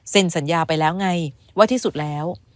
สัญญาไปแล้วไงว่าที่สุดแล้ว